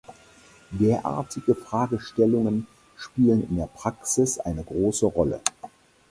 Derartige Fragestellungen spielen in der Praxis eine große Rolle.